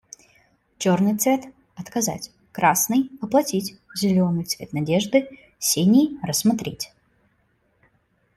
Черный цвет - "отказать", красный - "оплатить", зеленый - цвет надежды, синий - "рассмотреть".